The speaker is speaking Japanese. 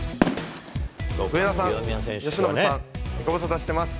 上田さん、由伸さん、ご無沙汰しています。